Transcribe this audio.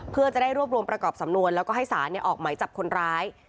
เพื่อจะได้รวบรวมประกอบสำนวนแล้วก็ให้สารออกไหมจับคนร้าย